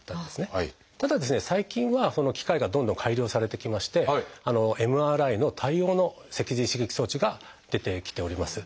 ただ最近は機械がどんどん改良されてきましてＭＲＩ対応の脊髄刺激装置が出てきております。